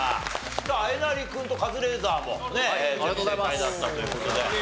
さあえなり君とカズレーザーもね全部正解だったという事で。